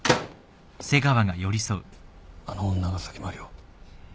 あの女が先回りを？